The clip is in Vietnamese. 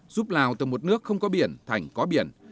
giúp lào từ một nước không có biển thành có biển